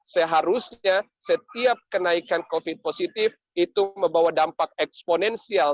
seharusnya setiap kenaikan covid positif itu membawa dampak eksponensial